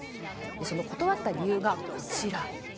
その断った理由がこちら。